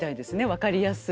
分かりやすい。